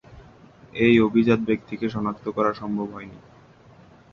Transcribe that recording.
এই অভিজাত ব্যক্তিকে শনাক্ত করা সম্ভব হয়নি।